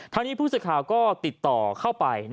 ทางนี้ผู้สื่อข่าวก็ติดต่อเข้าไป